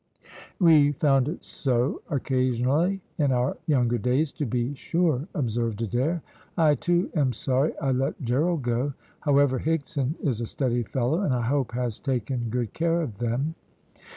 "We found it so occasionally in our younger days to be sure," observed Adair. "I, too, am sorry I let Gerald go; however, Higson is a steady fellow, and I hope has taken good care of them."